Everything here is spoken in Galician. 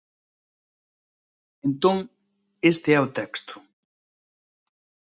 Entón, este é o texto.